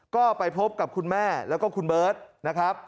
ก็ไปพบกับคุณแม่แล้วก็คุณเบิร์ตนะครับ